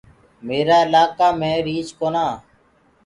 همرآ اِلآئيڪآ مينٚ ريٚڇ ڪونآ۔